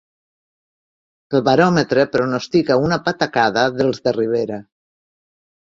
El baròmetre pronostica una patacada dels de Rivera